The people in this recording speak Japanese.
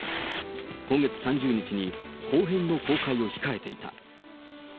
今月３０日に後編の公開を控えていた。